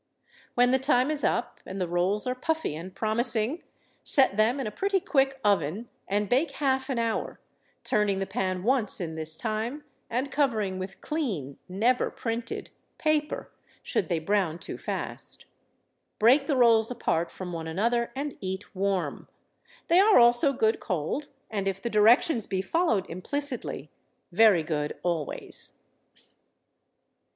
When the time is up and the rolls are puffy and promising, set them in a pretty quick oven and bake half an hour, turning the pan once in this time, and covering with clean—never printed—paper, should they brown too fast. Break the rolls apart from one another and eat warm. They are also good cold, and if the directions be followed implicitly, very good always.